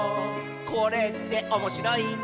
「これっておもしろいんだね」